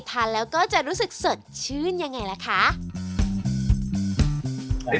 ทานแล้วก็จะรู้สึกเสริฐชื่นยังไง